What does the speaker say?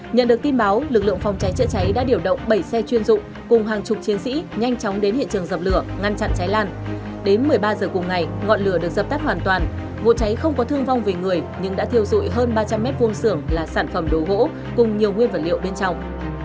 nhận được tin báo lực lượng phòng cháy chữa cháy đã điều động bảy xe chuyên dụng cùng hàng chục chiến sĩ nhanh chóng đến hiện trường dập lửa ngăn chặn cháy lan đến một mươi ba h cùng ngày ngọn lửa được dập tắt hoàn toàn vụ cháy không có thương vong về người nhưng đã thiêu dụi hơn ba trăm linh m hai xưởng là sản phẩm đồ gỗ cùng nhiều nguyên vật liệu bên trong